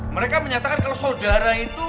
mereka menyatakan kalau saudara itu